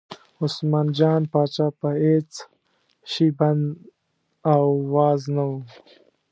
عثمان جان پاچا په هېڅ شي بند او واز نه و.